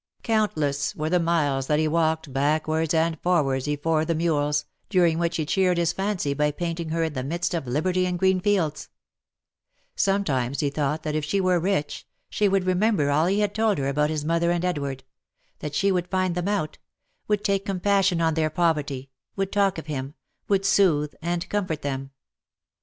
Countless were the miles that he walked backwards and forwards hefore the mules, during which he cheered his fancy by painting her in the midst of liberty and green fields, Sometimes he thought that if she were rich, she would remember all he had told her about his mother and Edward — that she would find them out — would take compassion on their poverty — would talk of him — would sooth and comfort them.